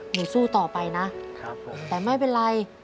สู้ต่อไปนะแต่ไม่เป็นไร